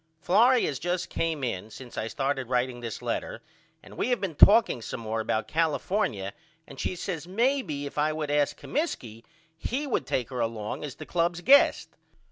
Florrie has just came in since I started writing this letter and we have been talking some more about California and she says maybe if I would ask Comiskey he would take her along as the club's guest.